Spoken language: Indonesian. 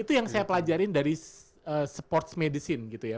itu yang saya pelajarin dari sports medicine gitu ya